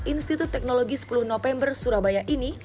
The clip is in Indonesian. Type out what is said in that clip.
institut teknologi sepuluh november surabaya ini